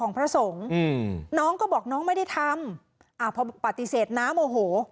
พระสงฆ์อืมน้องก็บอกน้องไม่ได้ทำอ่าพอปฏิเสธน้าโมโห